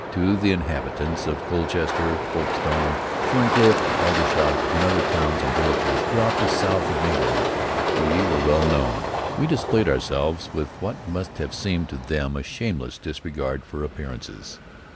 To the inhabitants of Colchester, Folkestone, Shorncliffe, Aldershot, and other towns and villages throughout the south of England, we were well known. We displayed ourselves with what must have seemed to them a shameless disregard for appearances.